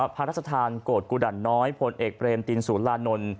พระรัชฐานโกฏกุดันน้อยผลเอกเปรมตินศูนย์ลานนล